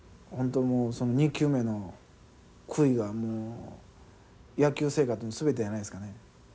もう２球目の悔いはもう野球生活の全てやないですかね。